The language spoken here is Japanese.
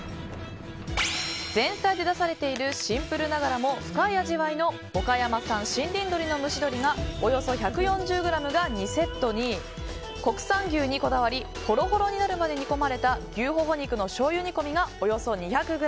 前菜で出されているシンプルながらも深い味わいの岡山産森林鶏の蒸し鶏がおよそ１４０ｇが２セットに国産牛にこだわりほろほろになるまで煮込まれた牛ほほ肉の醤油煮込みがおよそ２００ｇ。